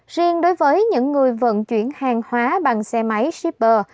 riêng đối với những người vận chuyển hàng hóa bằng xe máy shipper